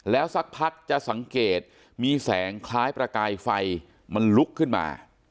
แล้วสักพักจะสังเกตมีแสงคล้ายประกายไฟมันลุกขึ้นมา